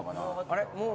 あれ？